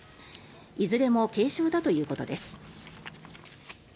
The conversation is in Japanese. いずれも軽傷だということです。